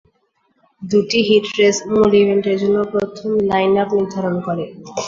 দুটি heat race মূল ইভেন্টের জন্য প্রথম লাইন আপ নির্ধারণ করে।